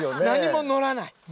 何ものらない。